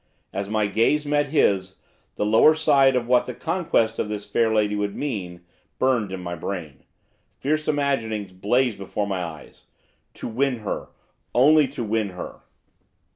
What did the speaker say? As my gaze met his, the lower side of what the conquest of this fair lady would mean, burned in my brain; fierce imaginings blazed before my eyes. To win her, only to win her!